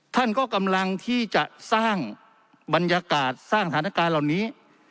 ท่านก็กำลังที่จะสร้างบรรยากาศสร้างสถานการณ์เหล่านี้